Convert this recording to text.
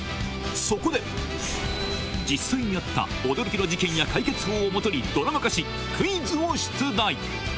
そこで、実際にあった驚きの事件や解決法を基にドラマ化し、クイズを出題。